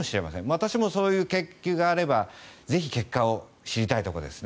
私もそういう研究があればぜひ結果を知りたいところです。